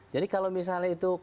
jadi kalau misalnya itu